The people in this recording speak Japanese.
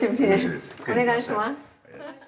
お願いします。